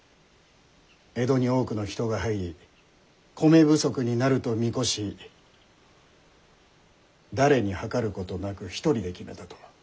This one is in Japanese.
江戸に多くの人が入り米不足になると見越し誰に諮ることなく一人で決めたと。